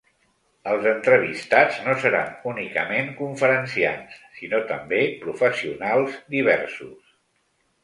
Els entrevistats no seran únicament conferenciants, sinó també professionals diversos.